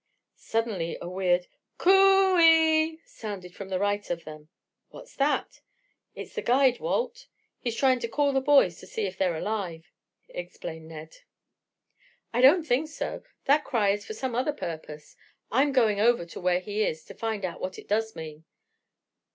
Suddenly a weird "c o o e e" sounded to the right of them. "What's that?" "It's the guide, Walt. He's trying to call the boys, to see if they are alive," explained Ned. "I don't think so. That cry is for some other purpose. I'm going over where he is to find out what it does mean.